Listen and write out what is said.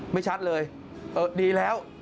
ไม่ชัดเลยเออดีแล้ว